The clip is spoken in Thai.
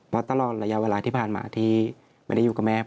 เพราะตลอดระยะเวลาที่ผ่านมาที่ไม่ได้อยู่กับแม่